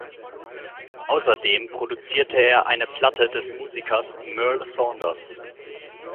Außerdem produzierte er eine Platte des Musikers Merl Saunders.